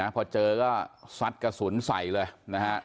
พอเจอก็ซัดกระสุนใส่เลยนะฮะ